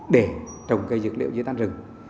để trồng cây dược liệu dưới tan rừng